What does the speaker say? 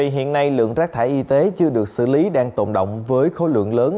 hiện nay lượng rác thải y tế chưa được xử lý đang tồn động với khối lượng lớn